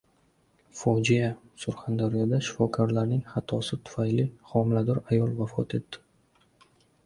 Fojia! Surxondaryoda shifokorlarning xatosi tufayli homilador ayol vafot etdi